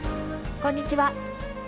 こんにちは。